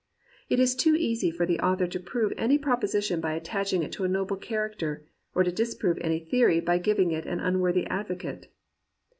It is too easy for the author to prove any proposition by attaching it to a noble character, or to disprove any theory by giving it an unworthy advocate.